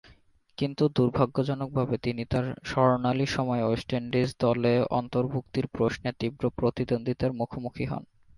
কিন্তু, দূর্ভাগ্যজনকভাবে তিনি তার স্বর্ণালী সময়ে ওয়েস্ট ইন্ডিজ দলে অন্তর্ভুক্তির প্রশ্নে তীব্র প্রতিদ্বন্দ্বিতার মুখোমুখি হন।